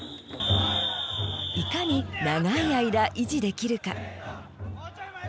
いかに長い間維持できるか？